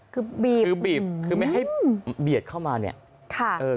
คือบีบปีบไม่ให้เบียดเข้ามาเนี่ย